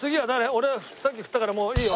俺はさっき振ったからもういいよ。